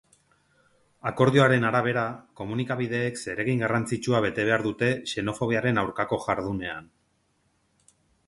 Akordioaren arabera, komunikabideek zeregin garrantzitsua bete behar dute xenofobiaren aurkako jardunean.